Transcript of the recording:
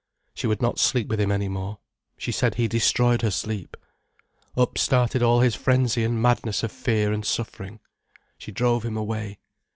She would not sleep with him any more. She said he destroyed her sleep. Up started all his frenzy and madness of fear and suffering. She drove him away.